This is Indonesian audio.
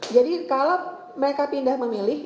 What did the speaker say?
jadi kalau mereka pindah memilih